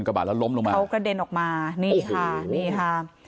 กบาดแล้วล้มลงมาเขากระเด็นออกมานี่ค่ะนี่ค่ะ